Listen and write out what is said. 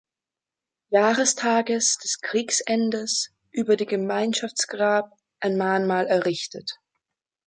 Jahrestages des Kriegsendes über dem Gemeinschaftsgrab ein Mahnmal errichtet.